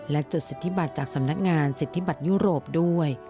และจดสิทธิบัตรจากสำนักงานสิทธิบัตรยุโรปด้วย